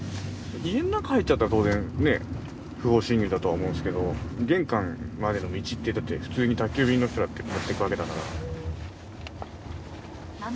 家ん中入っちゃったら当然ねえ不法侵入だとは思うんですけど玄関までの道ってだって普通に宅急便の人だって持っていくわけだから。